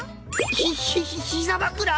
ひひひひざ枕！？